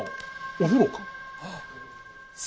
お風呂か。